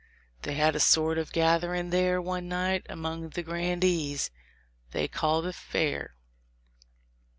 They had a sort of a gatherin' there one night among the grandees, they called a fair.